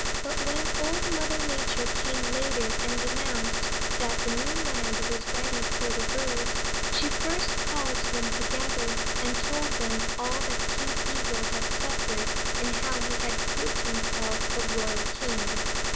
"But when Old Mother Nature came later and announced that the new land was ready for the birds, she first called them together and told them all that King Eagle had suffered, and how he had proved himself a royal king.